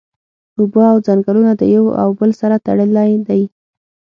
اوبه او ځنګلونه د یو او بل سره تړلی دی